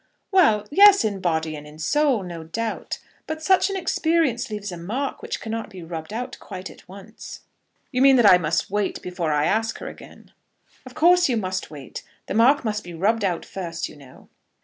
"Well; yes, in body and in soul, no doubt. But such an experience leaves a mark which cannot be rubbed out quite at once." "You mean that I must wait before I ask her again." "Of course you must wait. The mark must be rubbed out first, you know."